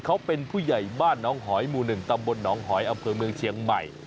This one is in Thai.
เขาเป็นผู้ใหญ่บ้านน้องหอยหมู่๑ตำบลหนองหอยอำเภอเมืองเชียงใหม่